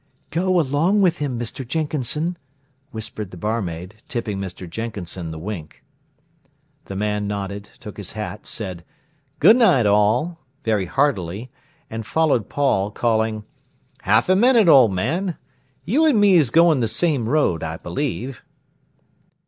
"Go along with him, Mr. Jenkinson," whispered the barmaid, tipping Mr. Jenkinson the wink. The man nodded, took his hat, said: "Good night all!" very heartily, and followed Paul, calling: "Half a minute, old man. You an' me's going the same road, I believe."